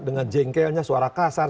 dengan jengkelnya suara kasar